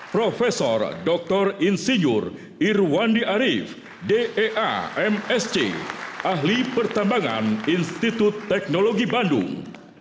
prof dr insinyur irwandi arief dea msc ahli pertambangan institut teknologi bandung